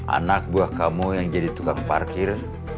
anak buah kamu yang jadi tukang parkir